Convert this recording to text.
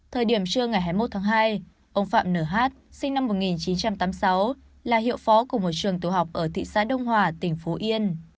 thời điểm trưa ngày hai mươi một tháng hai ông phạm nh sinh năm một nghìn chín trăm tám mươi sáu là hiệu phó của một trường tiểu học ở thị xã đông hòa tỉnh phú yên